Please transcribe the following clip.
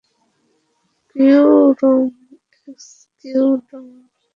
Crew room excused!